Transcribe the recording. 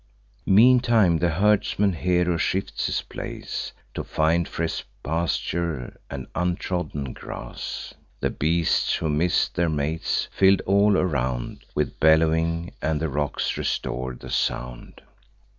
"Meantime the herdsman hero shifts his place, To find fresh pasture and untrodden grass. The beasts, who miss'd their mates, fill'd all around With bellowings, and the rocks restor'd the sound.